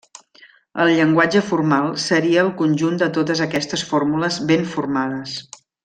El llenguatge formal seria el conjunt de totes aquestes fórmules ben formades.